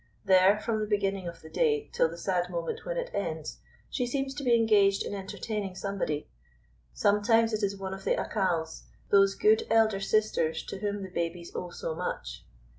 There, from the beginning of the day till the sad moment when it ends, she seems to be engaged in entertaining somebody. Sometimes it is one of the Accals, those good elder sisters to whom the babies owe so much.